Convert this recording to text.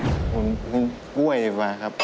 หุ่นกล้วยว่าครับ